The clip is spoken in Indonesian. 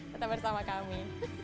tetap bersama kami